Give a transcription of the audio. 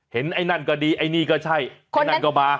เห็นไอนั่นก็ดีไอนี่ก็ใช่ไอนั่นก็บา